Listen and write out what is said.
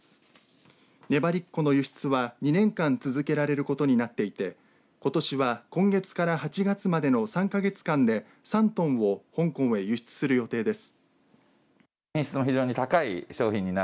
ねばりっこの輸出は２年間続けられることになっていてことしは今月から８月までの３か月間で３トンを香港へ輸出する予定です。